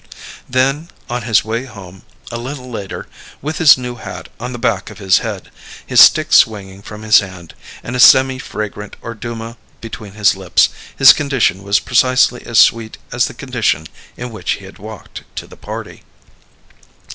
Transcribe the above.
Then, on his way home, a little later, with his new hat on the back of his head, his stick swinging from his hand, and a semi fragrant Orduma between his lips, his condition was precisely as sweet as the condition in which he had walked to the party.